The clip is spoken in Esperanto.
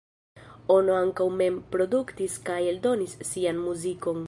Ono ankaŭ mem produktis kaj eldonis sian muzikon.